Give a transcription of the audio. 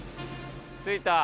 着いた。